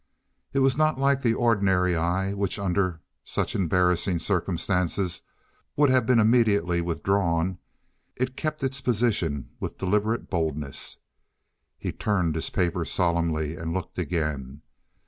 It was not like the ordinary eye, which, under such embarrassing circumstances, would have been immediately withdrawn; it kept its position with deliberate boldness. He turned his paper solemnly and looked again.